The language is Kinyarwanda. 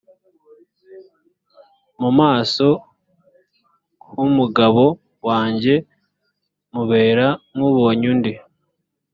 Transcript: mu maso h umugabo wanjye mubera nk ubonye undi